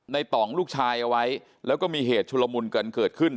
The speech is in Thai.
ต่องลูกชายเอาไว้แล้วก็มีเหตุชุลมุนกันเกิดขึ้น